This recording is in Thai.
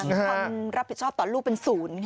ความรับผิดชอบต่อลูกเป็นศูนย์ค่ะ